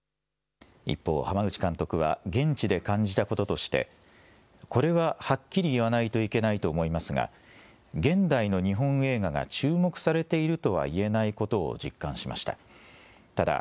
一方、濱口監督は現地で感じたこととしてこれははっきり言わないといけないと思いますが現代の日本映画が注目されているとは言えないことを実感しました。